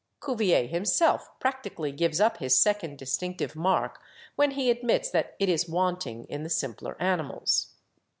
Cuvier himself practically gives up his second distinctive mark when he admits that it is wanting in the simpler animals.